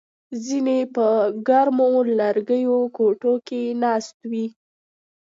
ځینې په ګرمو لرګیو کوټو کې ناست وي